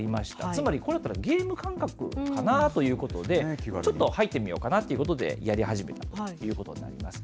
つまり、ゲーム感覚かなということで、ちょっと入ってみようかなということで、やり始めたということになります。